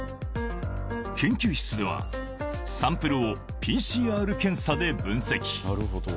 研究室では、サンプルをＰＣＲ検査で分析。